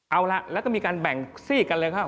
เอาละแล้วก็มีการแบ่งซี่กันเลยครับ